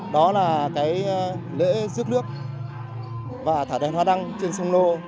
đó là cái lễ rước nước và thả đèn hoa đăng trên sông lô